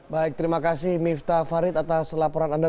baik terima kasih miftah farid atas laporan anda